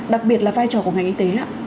đặc biệt là vai trò của ngành y tế ạ